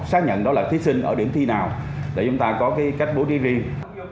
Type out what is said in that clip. xác nhận đó là thí sinh ở điểm thi nào để chúng ta có cái cách bố trí riêng